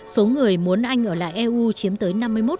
số người muốn anh ở lại eu chiếm tới năm mươi một